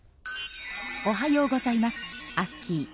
おはようございますアッキー。